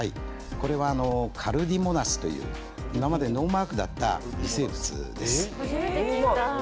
カルディモナスという今までノーマークだった微生物です。